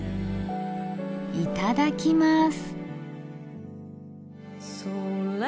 いただきます。